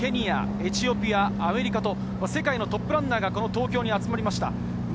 ケニア、エチオピア、アメリカと世界のトップランナーが東京に集まりました。